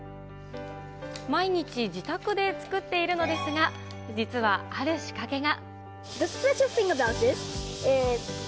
毎日自宅で作っているのですが、実はある仕掛けが。